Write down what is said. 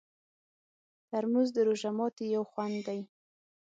ترموز د روژه ماتي یو خوند دی.